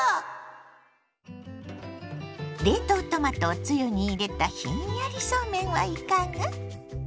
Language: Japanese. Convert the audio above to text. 冷凍トマトをつゆに入れたひんやりそうめんはいかが？